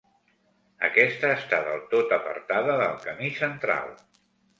Aquesta està del tot apartada del camí central.